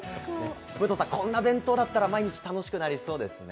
武藤さん、こんな弁当だったら毎日楽しくなりそうですね。